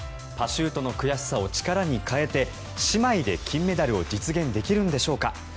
パシュートの悔しさを力に変えて姉妹で金メダルを実現できるんでしょうか。